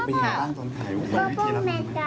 พี่หนูพยายามต้องถ่ายวิธีหรือเปล่า